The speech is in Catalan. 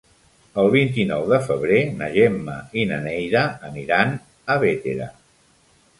El vint-i-nou de febrer na Gemma i na Neida aniran a Bétera.